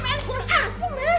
main kurang asem ya